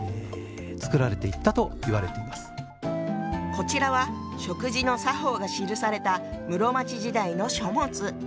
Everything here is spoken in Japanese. こちらは食事の作法が記された室町時代の書物。